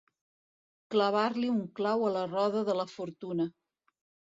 Clavar-li un clau a la roda de la fortuna.